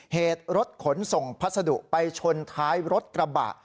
เหตุรถขนส่งพัสดุไปชนท้ายรถกระบะ